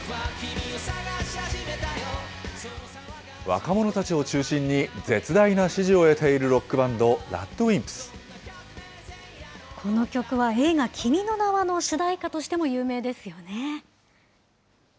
若者たちを中心に絶大な支持を得ているロックバンド、ＲＡＤこの曲は映画、君の名は。の主題歌としても有名ですよね。